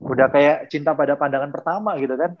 udah kayak cinta pada pandangan pertama gitu kan